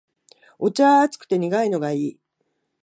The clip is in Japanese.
お茶は熱くて苦いのがいい